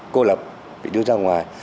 cô lập bị đưa ra ngoài